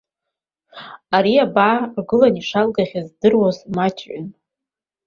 Ари абаа ргыланы ишалгахьоугьы здыруаз маҷҩын.